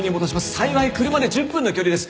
幸い車で１０分の距離です。